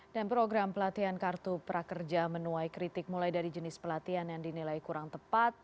dan program pelatihan kartu prakerja menuai kritik mulai dari jenis pelatihan yang dinilai kurang tepat